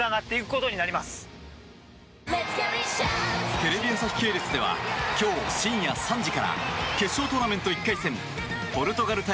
テレビ朝日系列では今日深夜３時から決勝トーナメント１回戦ポルトガル対